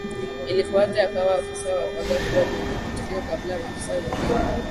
Ilikuwaje akawa Afisa wa kwanza kuwa kwenye tukio kabla maafisa wengine